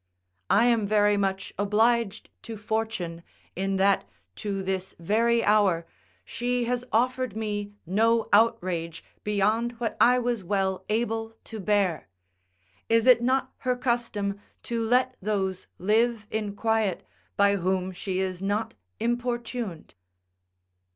I am very much obliged to Fortune, in that, to this very hour, she has offered me no outrage beyond what I was well able to bear. Is it not her custom to let those live in quiet by whom she is not importuned?